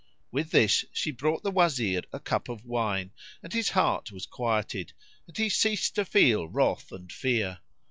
With this she brought the Wazir a cup of wine and his heart was quieted, and he ceased to feel wrath and fear.